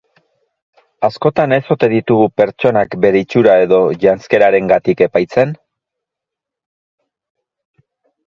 Askotan ez ote ditugu pertsonak bere itxura edo janzkerarengatik epaitzen?